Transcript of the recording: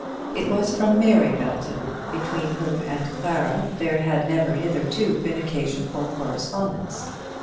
It was from Mary Belton, between whom and Clara there had never hitherto been occasion for correspondence.